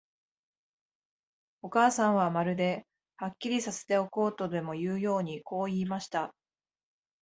お母さんは、まるで、はっきりさせておこうとでもいうように、こう言いました。